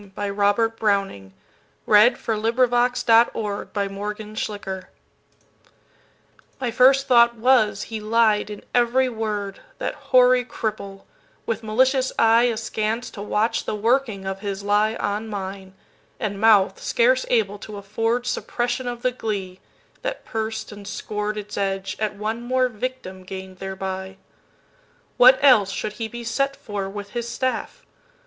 Robert Browning 1812–89 "Childe Roland to the Dark Tower Came" BrowningR MY first thought was, he lied in every word, That hoary cripple, with malicious eyeAskance to watch the working of his lieOn mine, and mouth scarce able to affordSuppression of the glee, that purs'd and scor'dIts edge, at one more victim gain'd thereby. What else should he be set for, with his staff?